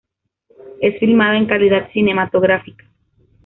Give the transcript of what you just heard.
Es filmada en calidad cinematográfica.